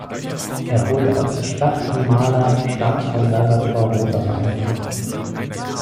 Er wurde als Schlachtenmaler stark von Salvator Rosa beeinflusst.